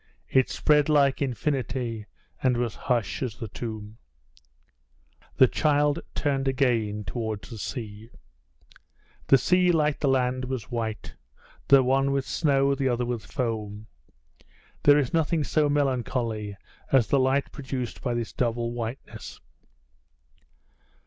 It spread like infinity, and was hush as the tomb. The child turned again towards the sea. The sea, like the land, was white the one with snow, the other with foam. There is nothing so melancholy as the light produced by this double whiteness.